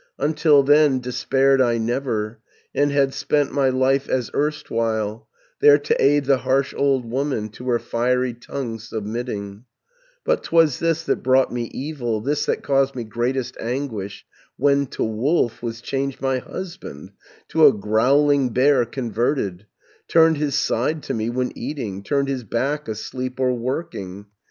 640 "Until then despaired I never, And had spent my life as erstwhile There to aid the harsh old woman, To her fiery tongue submitting: But 'twas this that brought me evil, This that caused me greatest anguish, When to wolf was changed my husband, To a growling bear converted, Turned his side to me when eating, Turned his back asleep or working.